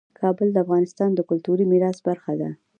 کابل د افغانستان د کلتوري میراث برخه ده.